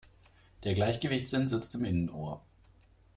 Der Gleichgewichtssinn sitzt im Innenohr.